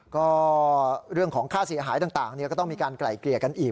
ก็เรื่องของค่าเสียหายต่างก็ต้องมีการไกล่เกลี่ยกันอีก